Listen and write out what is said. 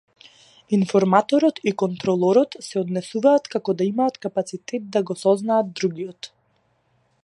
Информаторот и контролорот се однесуваат како да имаат капацитет да го сознаат другиот.